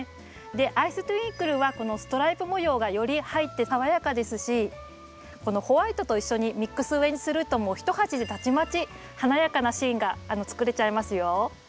アイストゥインクルはこのストライプ模様がより入って爽やかですしこのホワイトと一緒にミックス植えにするともう一鉢でたちまち華やかなシーンが作れちゃいますよ。